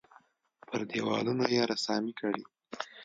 پر دېوالونو یې رسامۍ کړي.